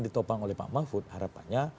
ditopang oleh pak mahfud harapannya